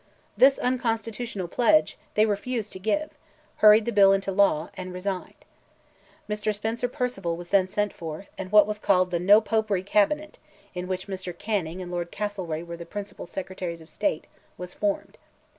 This unconstitutional pledge they refused to give, hurried the bill into law, and resigned. Mr. Spencer Perceval was then sent for, and what was called "the No Popery Cabinet," in which Mr. Canning and Lord Castlereagh were the principal Secretaries of State, was formed.